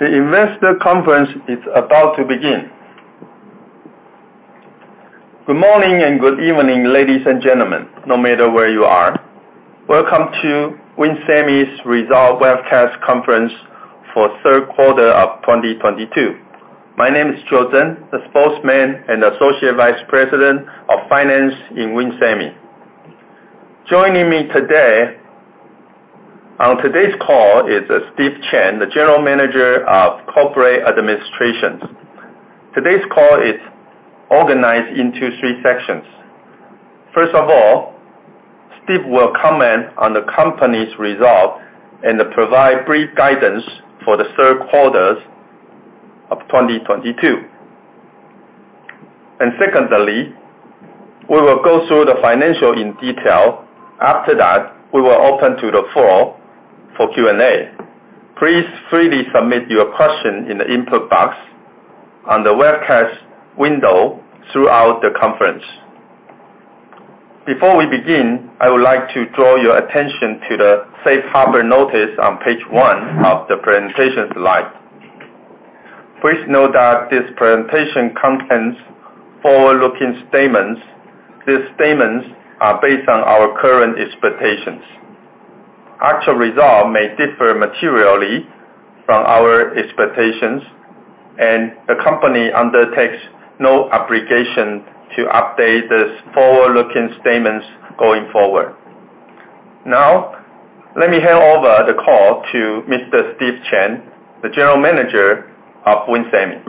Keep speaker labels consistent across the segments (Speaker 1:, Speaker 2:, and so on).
Speaker 1: The investor conference is about to begin. Good morning and good evening, ladies and gentlemen, no matter where you are. Welcome to WIN Semi's Results Webcast Conference for third quarter of 2022. My name is Joe Tsen, the Spokesperson and Associate Vice President of Finance in WIN Semi. Joining me today on today's call is Steve Chen, the General Manager of Corporate Administration. Today's call is organized into three sections. First of all, Steve will comment on the company's results and provide brief guidance for the third quarter of 2022. Secondly, we will go through the financials in detail. After that, we will open to the floor for Q&A. Please freely submit your question in the input box on the webcast window throughout the conference. Before we begin, I would like to draw your attention to the safe harbor notice on page one of the presentation slide. Please note that this presentation contains forward-looking statements. These statements are based on our current expectations. Actual results may differ materially from our expectations, and the company undertakes no obligation to update these forward-looking statements going forward. Now, let me hand over the call to Mr. Steve Chen, the General Manager of WIN Semi.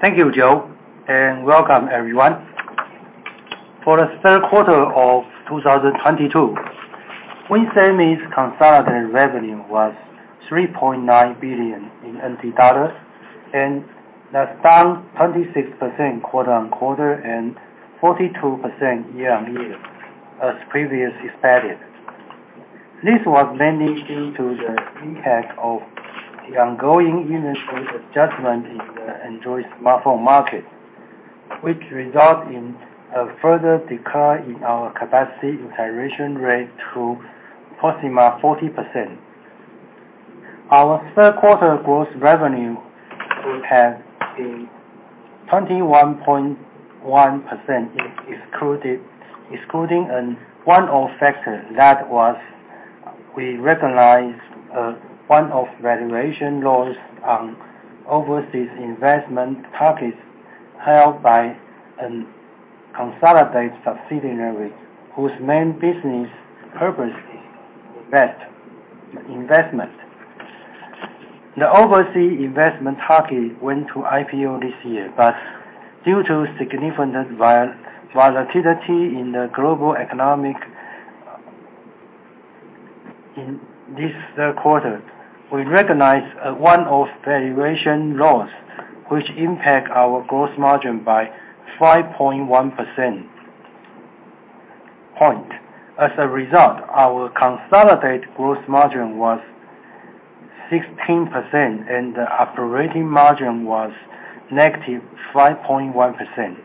Speaker 2: Thank you, Joe, and welcome everyone. For the third quarter of 2022, WIN Semi's consolidated revenue was 3.9 billion, and that's down 26% quarter-over-quarter and 42% year-over-year, as previously stated. This was mainly due to the impact of the ongoing industry adjustment in the Android smartphone market, which result in a further decline in our capacity utilization rate to approximately 40%. Our third quarter gross margin would have been 21.1% excluding a one-off factor. We recognized a one-off valuation loss on overseas investment targets held by a consolidated subsidiary whose main business purpose is investment. The overseas investment target went to IPO this year. Due to significant volatility in the global economy in this third quarter, we recognized a one-off valuation loss, which impact our gross margin by 5.1 percentage points. As a result, our consolidated gross margin was 16% and our operating margin was -5.1%.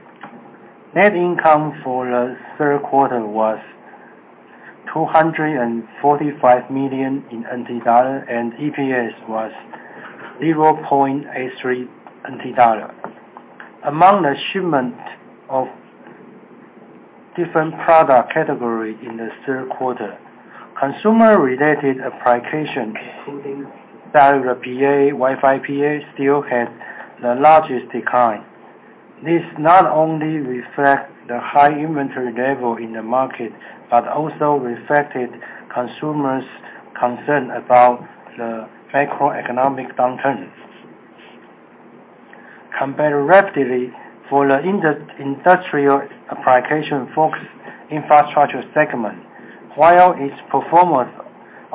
Speaker 2: Net income for the third quarter was NT$ 245 million and EPS was NT$ 0.83. Among the shipment of different product category in the third quarter, consumer-related applications, including cellular PA, Wi-Fi PA, still had the largest decline. This not only reflect the high inventory level in the market, but also reflected consumers' concern about the macroeconomic downturn. Comparatively, for the industrial application focused infrastructure segment, while its performance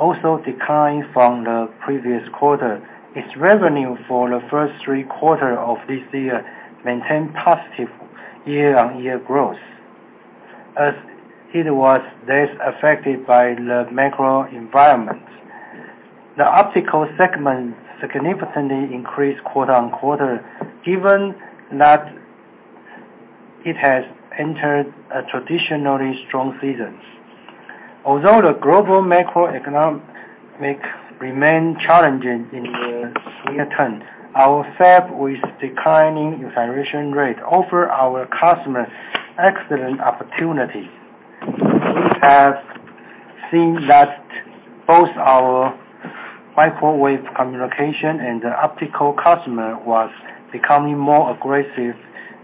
Speaker 2: also declined from the previous quarter, its revenue for the first three quarters of this year maintained positive year-on-year growth, as it was less affected by the macro environment. The optical segment significantly increased quarter-on-quarter, given that it has entered a traditionally strong season. Although the global macroeconomic remain challenging in the near term, our fab with declining utilization rate offer our customers excellent opportunities. We have seen that both our microwave communication and the optical customer was becoming more aggressive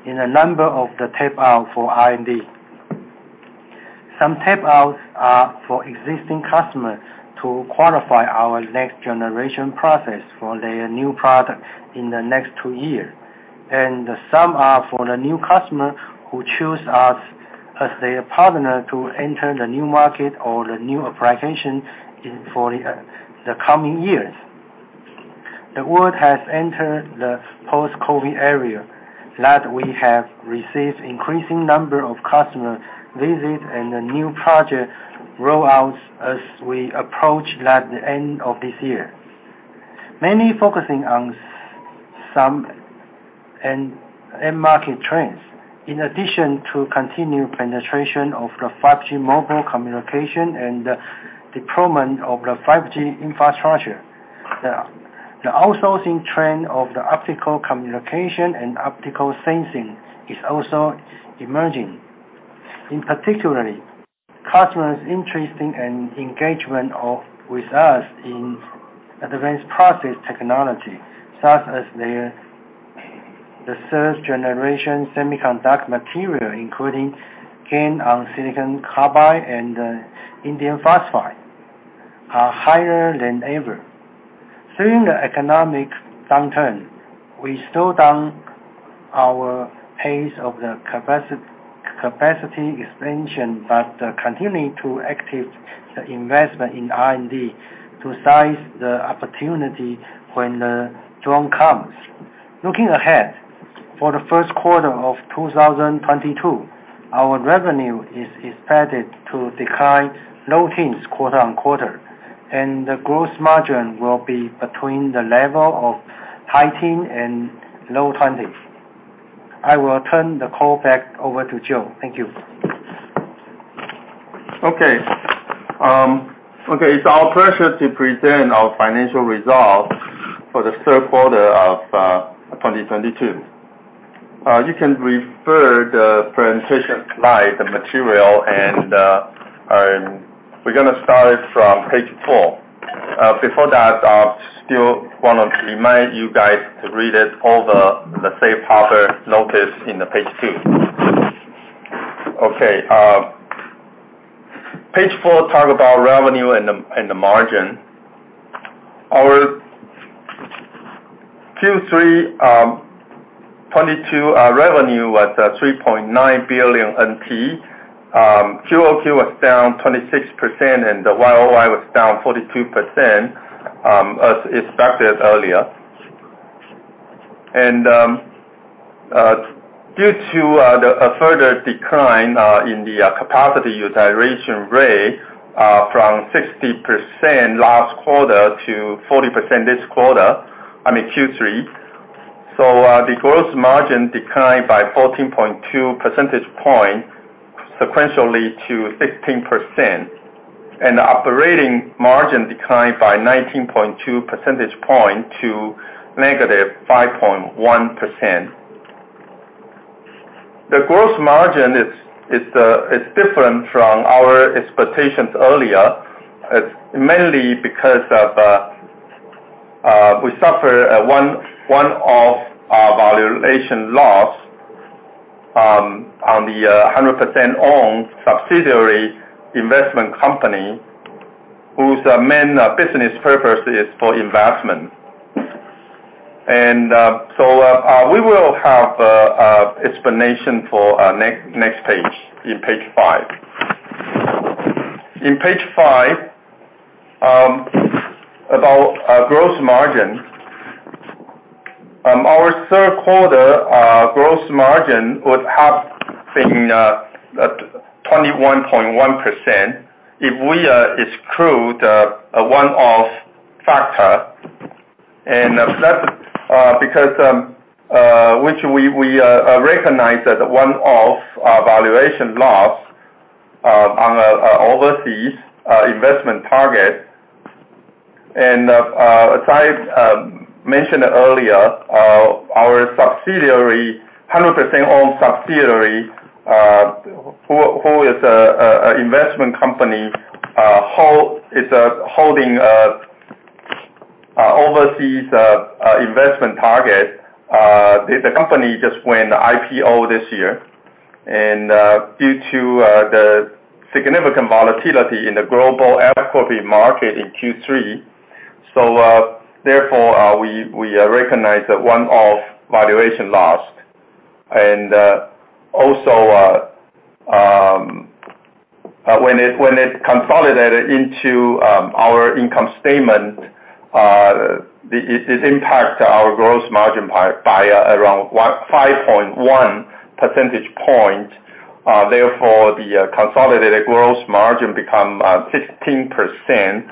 Speaker 2: in a number of the tape-outs for R&D. Some tape-outs are for existing customers to qualify our next generation process for their new product in the next two years. Some are for the new customer who choose us as their partner to enter the new market or the new application for the coming years. The world has entered the post-COVID era. That we have received increasing number of customer visits and the new project roll-outs as we approach, like, the end of this year. Mainly focusing on some end market trends. In addition to continued penetration of the 5G mobile communication and deployment of the 5G infrastructure, the outsourcing trend of the optical communication and optical sensing is also emerging. In particular, customers' interest and engagement with us in advanced process technology, such as the third generation semiconductor material, including gallium nitride on silicon carbide and indium phosphide, are higher than ever. During the economic downturn, we slow down our pace of the capacity expansion, but continuing to activate the investment in R&D to seize the opportunity when the dawn comes. Looking ahead, for the first quarter of 2022, our revenue is expected to decline low teens% quarter-over-quarter, and the gross margin will be between the level of high teens and low 20s%. I will turn the call back over to Joe. Thank you.
Speaker 1: Okay, it's our pleasure to present our financial results for the third quarter of 2022. You can refer to the presentation slide, the material, and we're gonna start it from page four. Before that, I still wanna remind you guys to read all the safe harbor notice on page two. Okay, page four talks about revenue and the margin. Our Q3 2022 revenue was 3.9 billion NT. QOQ was down 26% and the YOY was down 42%, as expected earlier. Due to a further decline in the capacity utilization rate from 60% last quarter to 40% this quarter, I mean, Q3, the gross margin declined by 14.2 percentage point sequentially to 16%, and operating margin declined by 19.2 percentage point to -5.1%. The gross margin is different from our expectations earlier. It's mainly because of we suffer a one-off valuation loss on the 100% owned subsidiary investment company whose main business purpose is for investment. We will have explanation for next page, in page five. On page five, about our gross margin, our third quarter gross margin would have been 21.1% if we exclude a one-off factor. That's because which we recognized that one-off valuation loss on our overseas investment target. As I mentioned earlier, our subsidiary, 100% owned subsidiary, who is a investment company, is holding a overseas investment target. The company just went IPO this year, and due to the significant volatility in the global equity market in Q3, so therefore we recognize the one-off valuation loss. Also, when it consolidated into our income statement, the It impacts our gross margin by around 5.1 percentage point. Therefore, the consolidated gross margin become 15% in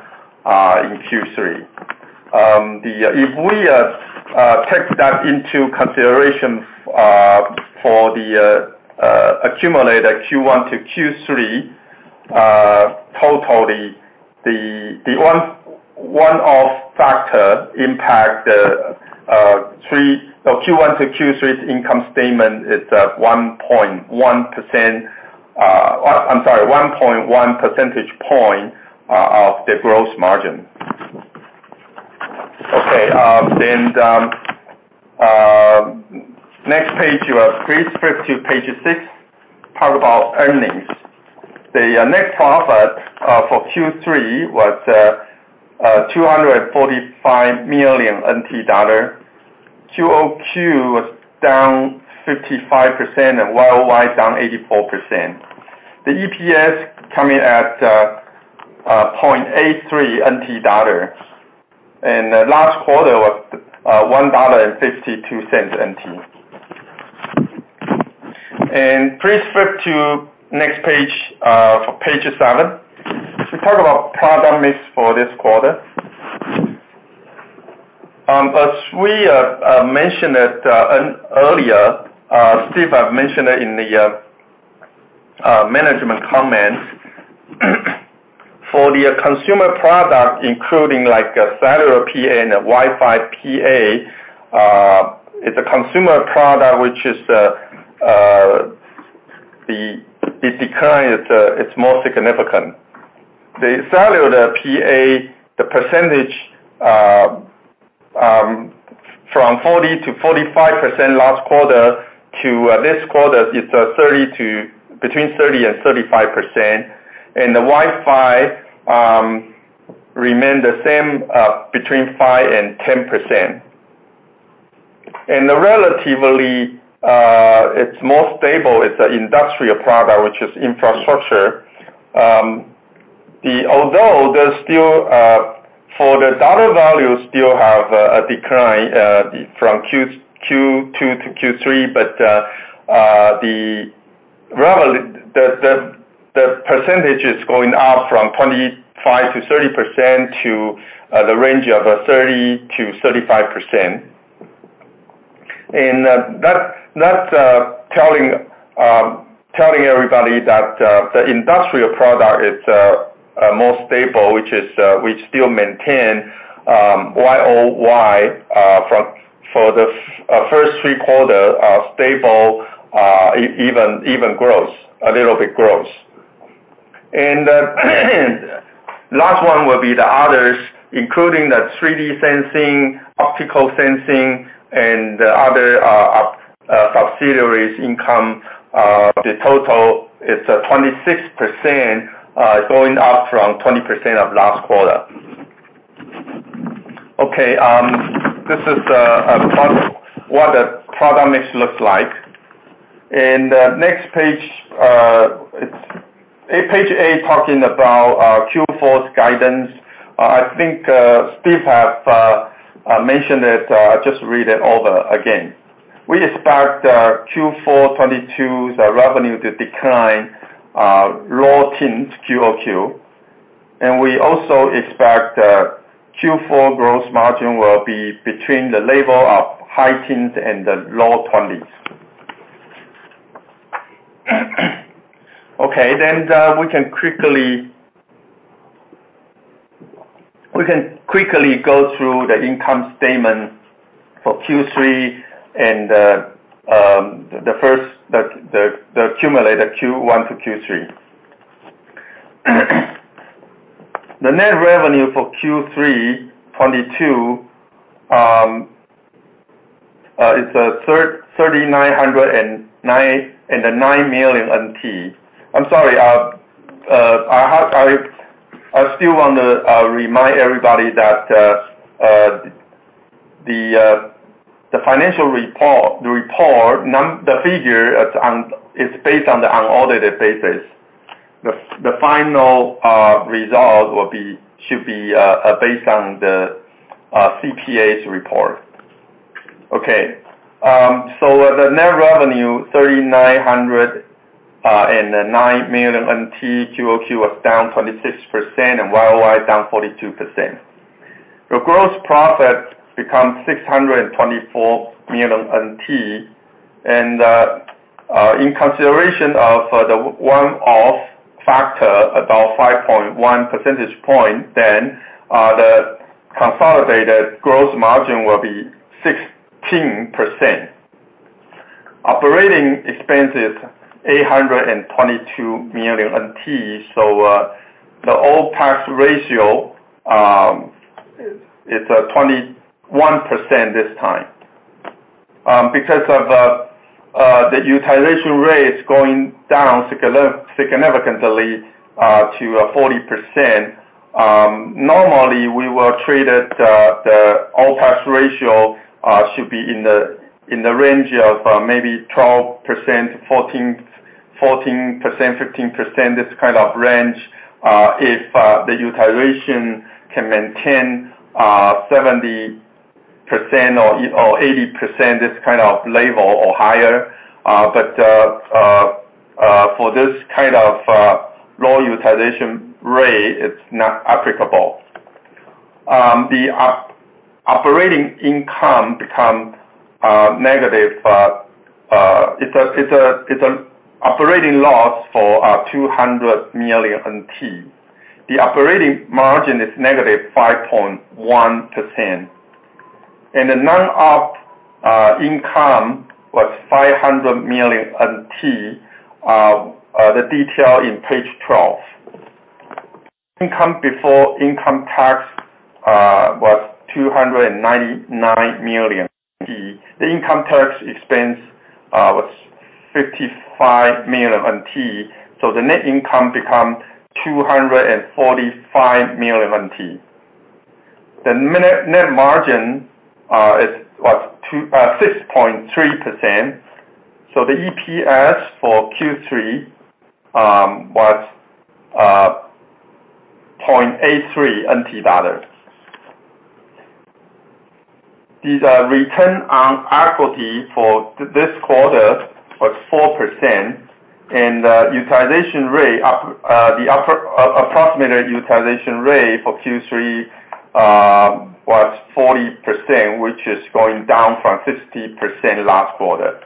Speaker 1: Q3. If we take that into consideration, for the accumulated Q1 to Q3 total, the one-off factor impact the Q1 to Q3's income statement is 1.1%, or I'm sorry, 1.1 percentage point of the gross margin. Okay, then next page, please flip to page six, talk about earnings. The net profit for Q3 was 245 million dollars. QOQ was down 55% and YOY down 84%. The EPS coming at 0.83 NT dollar, and the last quarter was 1.52 dollar. Please flip to next page for page seven. To talk about product mix for this quarter. As we mentioned it earlier, Steve have mentioned it in the management comments. For the consumer product, including like a cellular PA and a Wi-Fi PA, it's a consumer product which is the decline, it's more significant. The cellular PA, the percentage from 40%-45% last quarter to this quarter is 30%-35%. The Wi-Fi remain the same between 5%-10%. Relatively, it's more stable, it's an industrial product, which is infrastructure. Although there's still for the US dollar value still have a decline from Q2 to Q3, but the percentage is going up from 25%-30% to the range of 30%-35%. That's telling everybody that the industrial product is more stable, which is we still maintain YOY for the first three quarter stable even growth, a little bit growth. Last one will be the others, including the 3D sensing, optical sensing and the other subsidiaries income. The total is 26% going up from 20% of last quarter. This is what the product mix looks like. Next page, it's page eight talking about Q4's guidance. I think Steve has mentioned it. Just read it over again. We expect Q4 2022's revenue to decline low-teens% QOQ. We also expect Q4 gross margin will be between high teens% and low 20s%. We can quickly go through the income statement for Q3 and the accumulated Q1 to Q3. The net revenue for Q3 2022 is TWD 3,909 million. I'm sorry, I still want to remind everybody that the financial report, the figure is based on the unaudited basis. The final result should be based on the CPA's report. The net revenue, 3,909 million QOQ was down 26% and YOY down 42%. The gross profit become TWD 624 million. In consideration of the one-off factor, about 5.1 percentage points, the consolidated gross margin will be 16%. Operating expense is 822 million NT, the OpEx ratio is 21% this time. Because of the utilization rates going down significantly to 40%, normally we will treat it, the OpEx ratio should be in the range of maybe 12%, 14%, 15%, this kind of range. If the utilization can maintain 70% or 80%, this kind of level or higher. For this kind of low utilization rate, it's not applicable. The operating income become negative. It's an operating loss for 200 million NT. The operating margin is negative 5.1%. The non-op income was 500 million NT. The details in page 12. Income before income tax was 299 million NT. The income tax expense was 55 million NT, so the net income become 245 million NT. The net margin was 6.3%. The EPS for Q3 was TWD 0.83. The return on equity for this quarter was 4%, and utilization rate. The approximate utilization rate for Q3 was 40%, which is going down from 50% last quarter.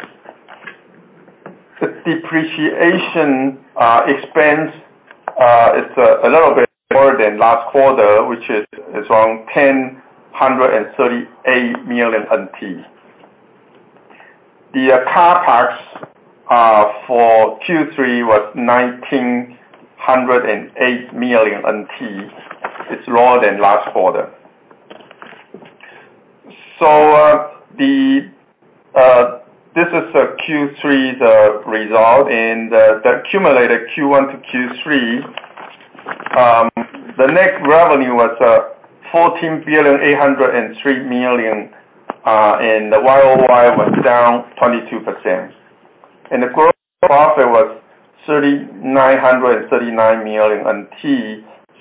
Speaker 1: The depreciation expense is a little bit more than last quarter, which is around 1,038 million NT. The CapEx for Q3 was 1,908 million NT. It's lower than last quarter. This is the Q3 result and the accumulated Q1 to Q3, the net revenue was 14.803 billion, and the YOY was down 22%. The gross profit was 3,939 million,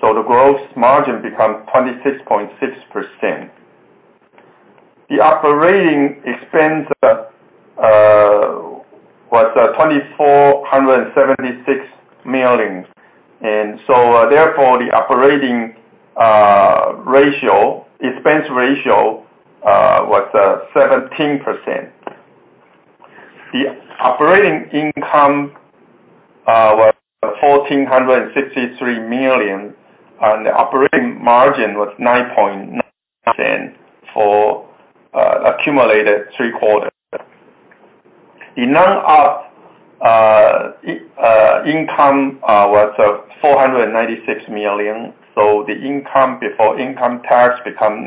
Speaker 1: so the gross margin become 26.6%. The operating expense was 2,476 million. The operating expense ratio was 17%. The operating income was 1,463 million, and the operating margin was 9.9% for accumulated three quarters. The non-GAAP income was 496 million. The income before income tax become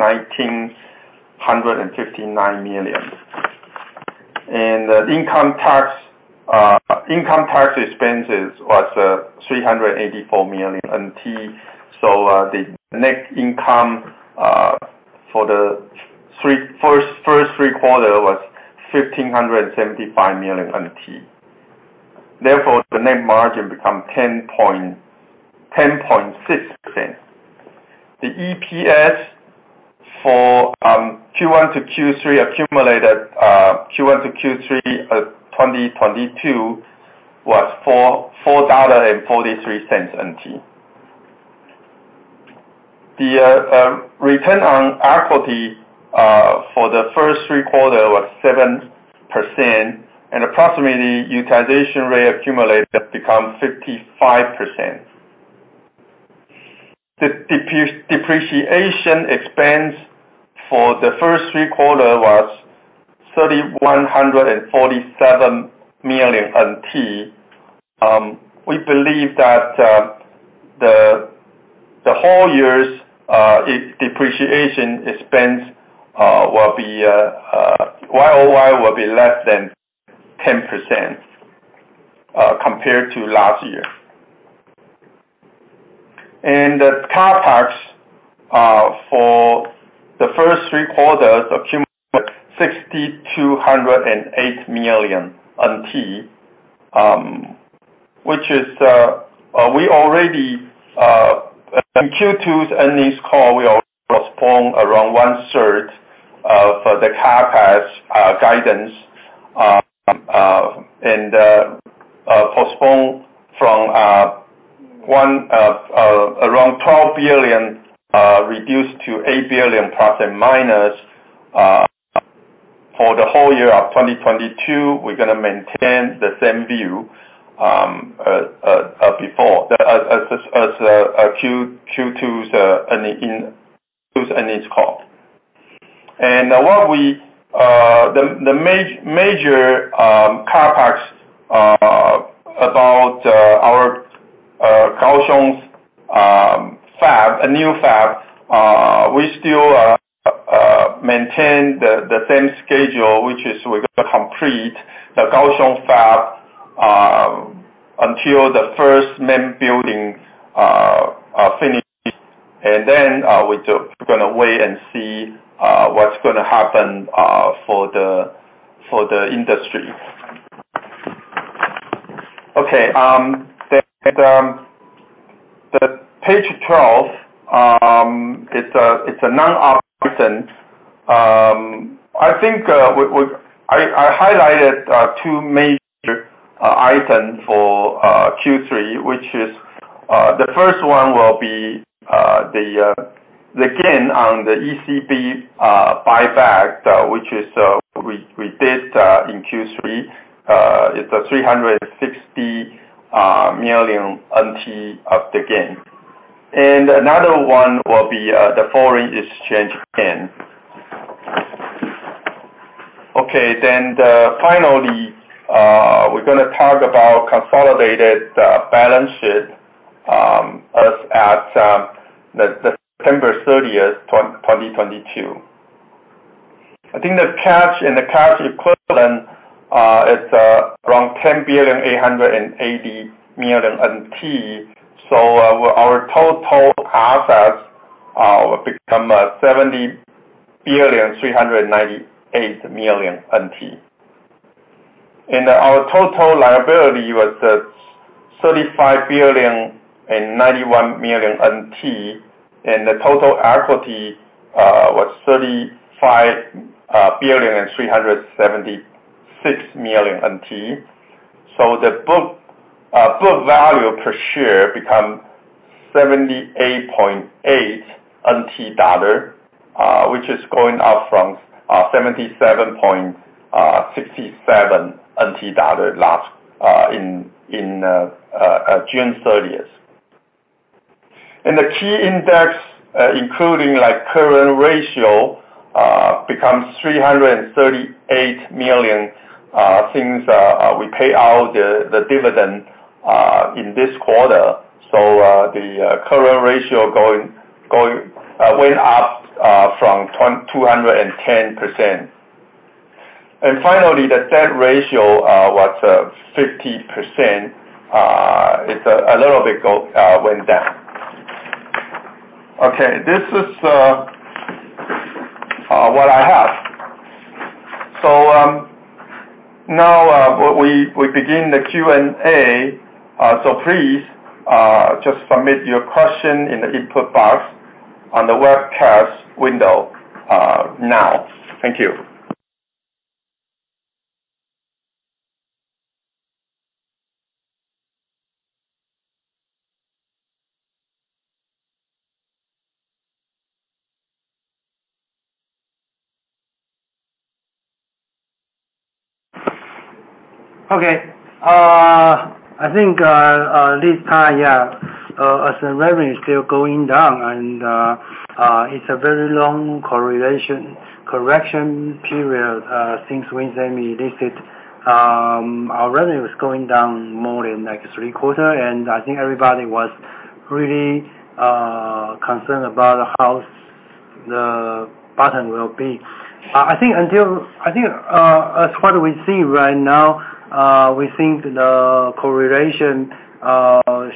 Speaker 1: 1,959 million. The income tax expenses was 384 million NT. The net income for the first three quarter was 1,575 million NT. The net margin become 10.6%. The EPS for Q1 to Q3 accumulated, Q1 to Q3, 2022 was TWD 4.43 cents. The return on equity for the first three quarters was 7%, and the approximate utilization rate accumulated become 55%. The depreciation expense for the first three quarters was 3,147 million NT. We believe that the whole year's depreciation expense will be less than 10% YOY compared to last year. The CapEx for the first three quarters accumulated 6,208 million, which is we already in Q2's earnings call already postponed around one-third for the CapEx guidance and postpone from one around 12 billion reduced to 8 billion plus and minus for the whole year of 2022. We're going to maintain the same view before the. Q2's earnings call. What we the major CapEx about our Kaohsiung's fab a new fab we still maintain the same schedule, which is we're gonna complete the Kaohsiung fab until the first main building finish. We're gonna wait and see what's gonna happen for the industry. Okay. Page 12, it's a non-GAAP item. I think I highlighted two major item for Q3, which is the first one will be the gain on the ECB buyback, which we did in Q3. It's 360 million NT of the gain. Another one will be the foreign exchange gain. Okay. Finally, we're gonna talk about consolidated balance sheet as at the September thirtieth, 2022. I think the cash and the cash equivalent is around 10.88 billion. Our total assets will become 70.398 billion. Our total liability was at 35.091 billion, and the total equity was TWD 35.376 billion. The book value per share become 78.8 dollar, which is going up from 77.67 NT dollar last in June 30th. The key index, including like current ratio, becomes 338 million since we pay out the dividend in this quarter. The current ratio went up from 210%. Finally, the debt ratio was 50%. It's a little bit lower. It went down. Okay, this is what I have. Now we begin the Q&A. Please just submit your question in the input box on the webcast window now. Thank you. Okay, I think this time, as the revenue is still going down and it's a very long correction period WIN Semi listed, our revenue is going down more than like three quarters, and I think everybody was really concerned about how the bottom will be. I think as far as we see right now, we think the correction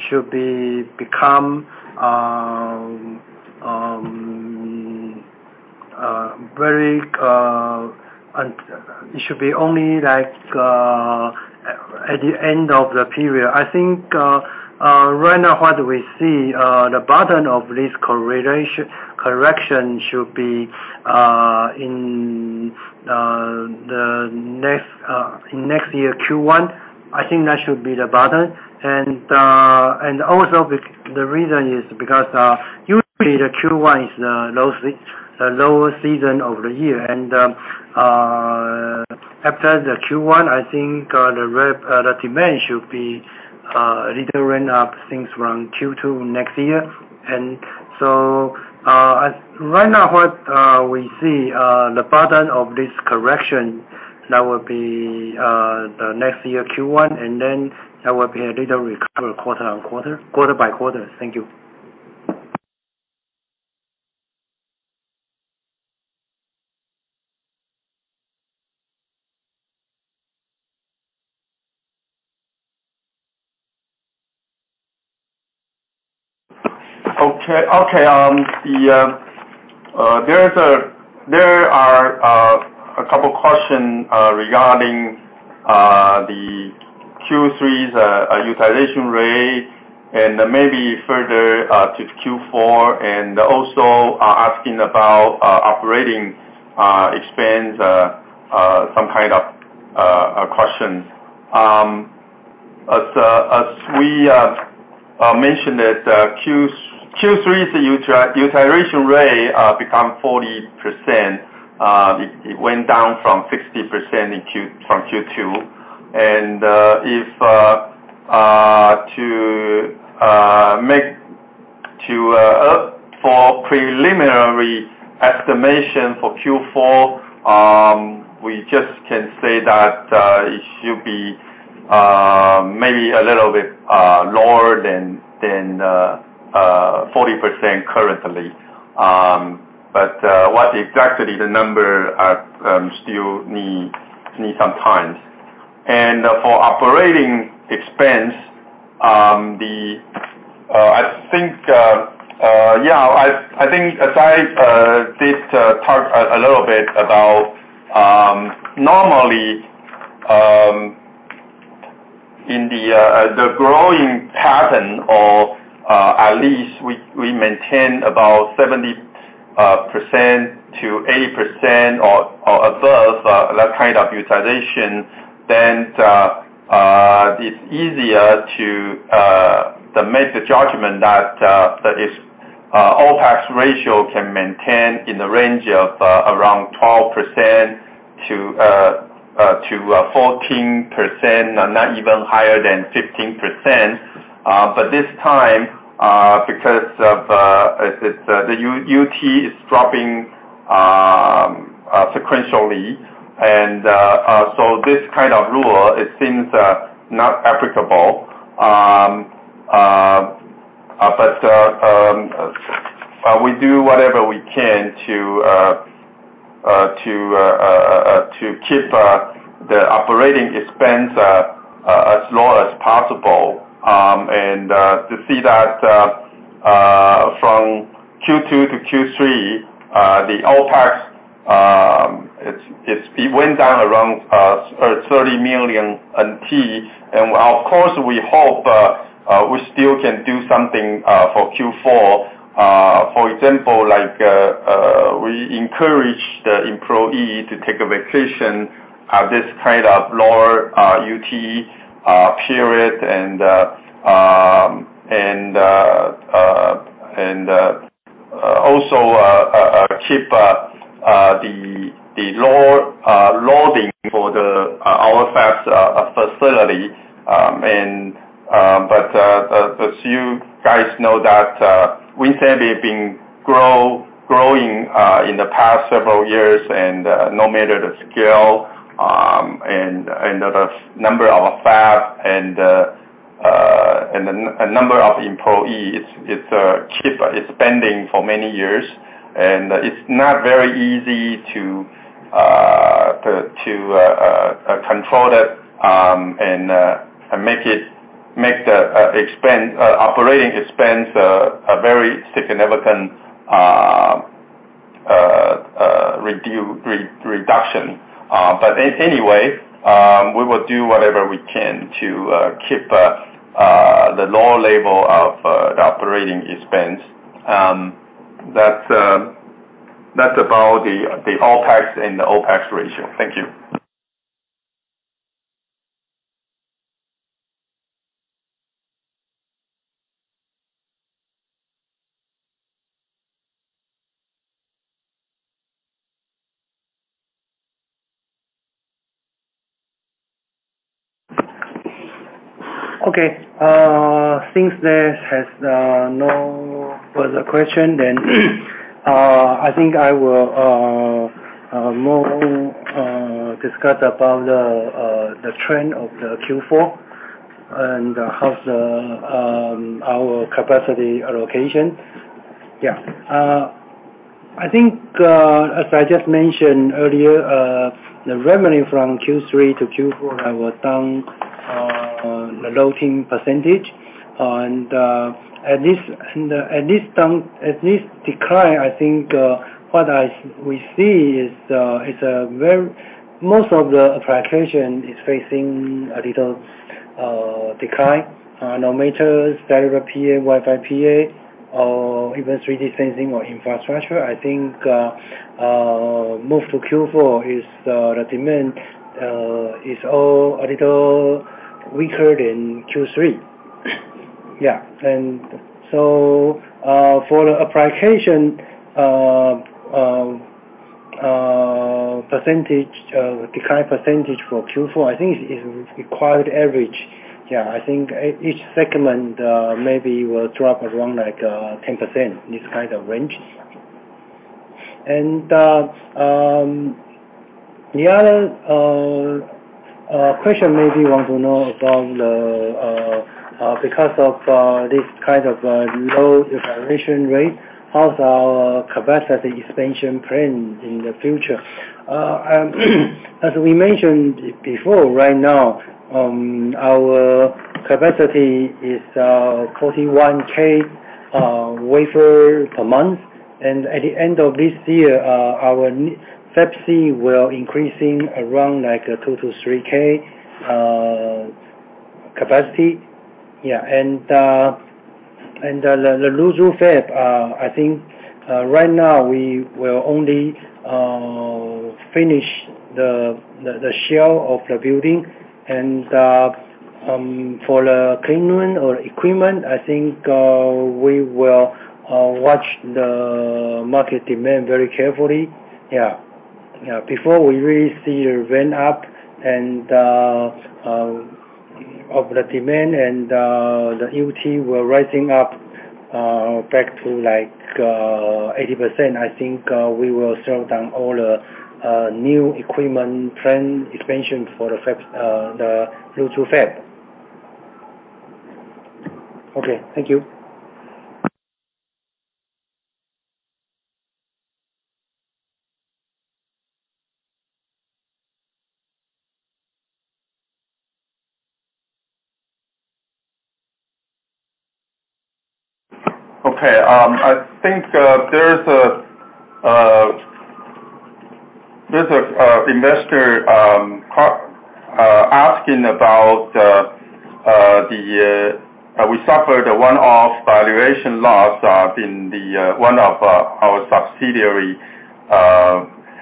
Speaker 1: should become very. It should be only like at the end of the period. I think right now what we see, the bottom of this correction should be in the next year Q1. I think that should be the bottom. The reason is because usually the Q1 is the lower season of the year and after the Q1, I think the demand should be a little ramped up since from Q2 next year. Right now what we see, the bottom of this correction, that would be the next year Q1, and then that will be a little recovery quarter on quarter by quarter. Thank you. Okay. Okay. There are a couple questions regarding the Q3's utilization rate and maybe further to Q4, and also asking about operating expense, some kind of question. As we mentioned that Q3's utilization rate became 40%, it went down from 60% in Q2. To make a preliminary estimation for Q4, we just can say that it should be maybe a little bit lower than 40% currently. But what the exact number is still needs some time. For operating expense, I think as I did talk a little bit about, normally, in the growing pattern, or at least we maintain about 70%-80% or above, that kind of utilization, then it's easier to make the judgment that that is OpEx ratio can maintain in the range of around 12%-14% and not even higher than 15%. This time, because of it's the UT is dropping sequentially. This kind of rule it seems not applicable. We do whatever we can to keep the operating expense as low as possible. To see that from Q2 to Q3, the OpEx it went down around 30 million NT. Of course, we hope we still can do something for Q4. For example, like, we encourage the employee to take a vacation at this kind of lower UT period and keep the low loading for our fab's facility. As you guys know that we said we've been growing in the past several years, and no matter the scale, and the number of fab and the number of employees, it's keep expanding for many years. It's not very easy to control it and make the operating expense a very significant reduction. Anyway, we will do whatever we can to keep the low level of the operating expense. That's about the OpEx and the OpEx ratio. Thank you.
Speaker 2: Okay. Since there has no further question, then I think I will move to discuss about the trend of the Q4 and how our capacity allocation. Yeah. I think, as I just mentioned earlier, the revenue from Q3 to Q4 have gone a low-teens percentage and at least down at least decline. I think we see is a very little decline. Most of the application is facing a little decline. No matter driver PA, Wi-Fi PA or even 3D sensing or infrastructure, I think move to Q4, the demand is all a little weaker than Q3. Yeah. For the application percentage decline for Q4, I think it's quite average. Yeah, I think each segment maybe will drop around, like, 10%, this kind of range. The other question maybe you want to know about, because of this kind of low utilization rate, how's our capacity expansion plan in the future? As we mentioned before, right now our capacity is 41,000 wafer per month. At the end of this year, our Fab C will increase around, like, 2,000-3,000 capacity. The Luzhu Fab, I think right now we will only finish the shell of the building. For the cleanroom or equipment, I think we will watch the market demand very carefully. Before we really see the ramp up of the demand and the UT will rising up back to like 80%, I think we will slow down all the new equipment plan expansion for the fab, the Luzhu Fab. Okay, thank you.
Speaker 1: Okay. I think there's an investor asking about that we suffered a one-off valuation loss in one of our subsidiaries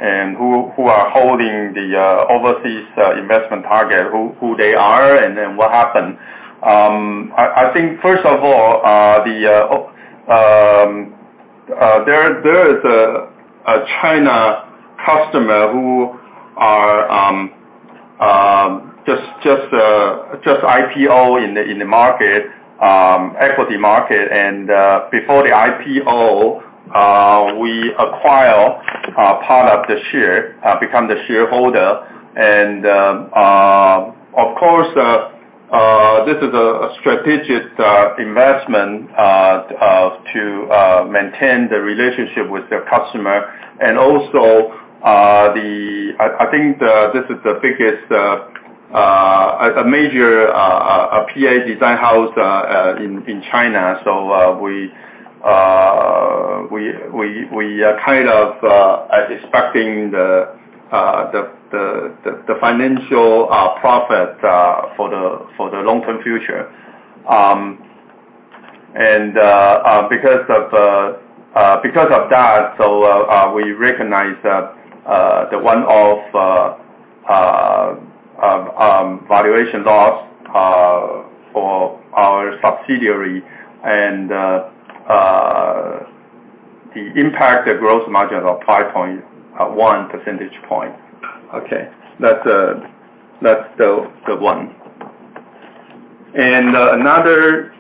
Speaker 1: and who are holding the overseas investment target, who they are, and then what happened. I think first of all, there is a Chinese customer who are just IPO in the equity market. Before the IPO, we acquire part of the shares, become the shareholder. Of course, this is a strategic investment to maintain the relationship with the customer. Also, the I think this is the biggest, a major PA design house in China. We are kind of expecting the financial profit for the long-term future. Because of that, we recognize that the one-off valuation loss for our subsidiary and the impact, the gross margin of 5.1 percentage point. Okay. That's the one. Another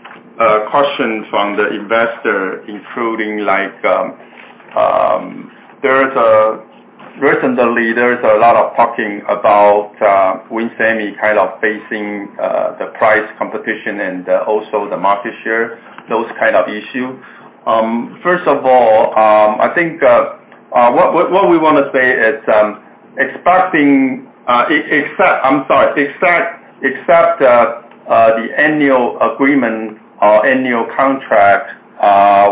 Speaker 1: question from the investor including like, recently there is a lot of talking about WIN Semi kind of facing the price competition and also the market share, those kind of issue. First of all, I think what we wanna say is, except the annual agreement or annual contract,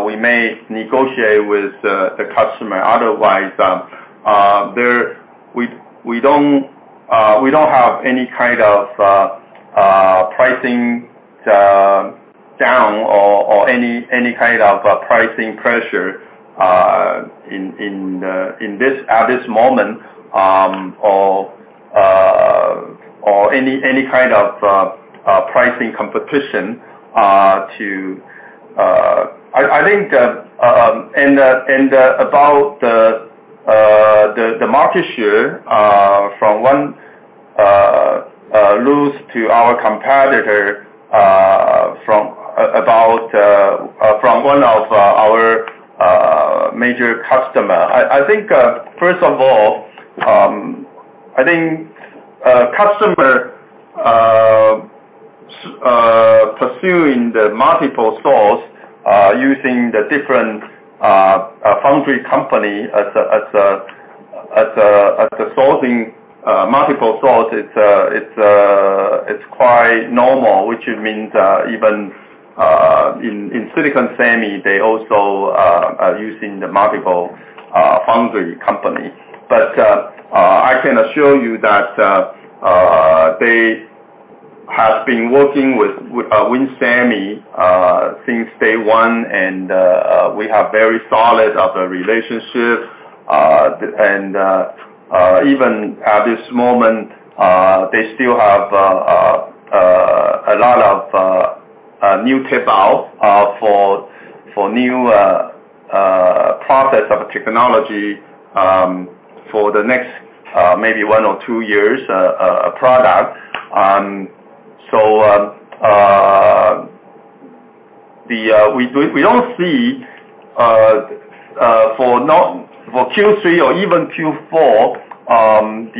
Speaker 1: we may negotiate with the customer. Otherwise, we don't have any kind of pricing down or any kind of a pricing pressure at this moment. Any kind of pricing competition. I think about the market share from one loss to our competitor from one of our major customer. I think first of all, customers pursuing multiple sourcing using different foundry companies as multiple sourcing. It's quite normal, which means even in silicon semiconductor they also are using multiple foundry companies. I can assure you that they have been working with WIN Semi since day one and we have a very solid relationship. Even at this moment, they still have a lot of new tape-out for new process technology for the next maybe one or two years product. We don't see, for Q3 or even Q4,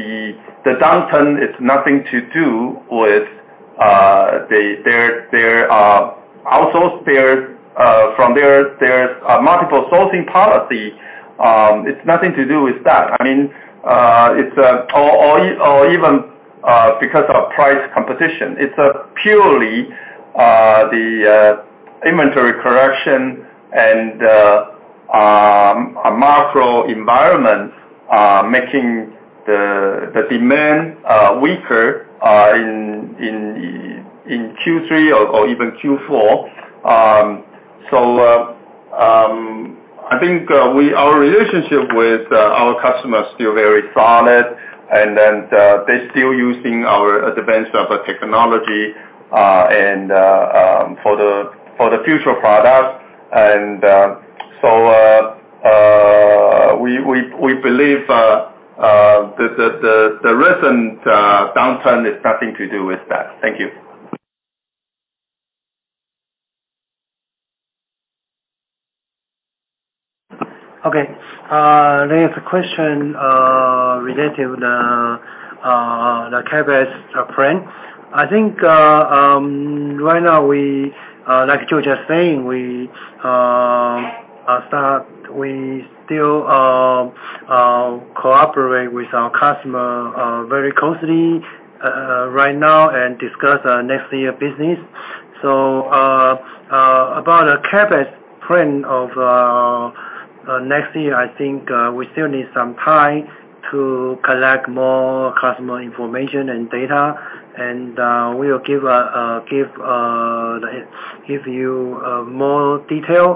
Speaker 1: the downturn is nothing to do with the outsourcing from their multiple sourcing policy. It's nothing to do with that. I mean, it's not, or even, because of price competition. It's purely the inventory correction and a macro environment making the demand weaker in Q3 or even Q4. I think our relationship with our customer is still very solid, and then they're still using our advanced GaAs technology and for the future products. We believe the recent downturn is nothing to do with that. Thank you.
Speaker 2: Okay. There is a question related to the CapEx plan. I think right now we, like Joe just saying, we still cooperate with our customer very closely right now and discuss our next year business. About the CapEx plan of next year, I think we still need some time to collect more customer information and data. We'll give you more detail.